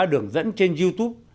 ba đường dẫn trên youtube